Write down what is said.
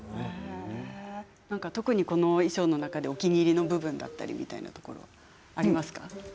特に、この衣装の中でお気に入りの部分だったりとかありますか？